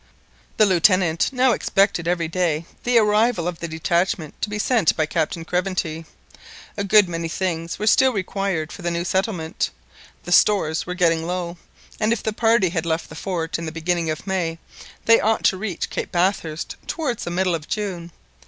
The Lieutenant now expected every day the arrival of the detachment to be sent by Captain Craventy. A good many things were still required for the new settlement. The stores were getting low; and if the party had left the fort in the beginning of May, they ought to reach Cape Bathurst towards the middle of June.